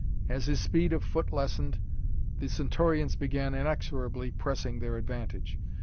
As his speed of foot lessened the Centaurians began inexorably pressing their advantage.